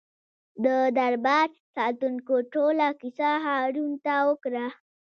د دربار ساتونکو ټوله کیسه هارون ته وکړه.